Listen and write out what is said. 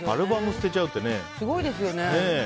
すごいですよね。